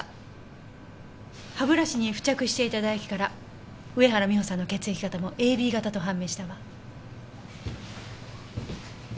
歯ブラシに付着していた唾液から上原美帆さんの血液型もＡＢ型と判明したわ。